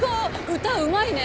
歌うまいね！